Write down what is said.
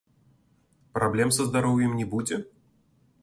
Праблем са здароўем не будзе?